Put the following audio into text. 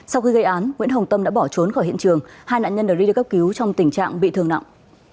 sau khi gây án nguyễn hồng tâm đã bỏ trốn khỏi hiện trường hai nạn nhân đã đi được cấp cứu trong tình trạng bị thương nặng